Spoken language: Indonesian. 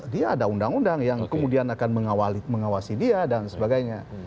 dia ada undang undang yang kemudian akan mengawasi dia dan sebagainya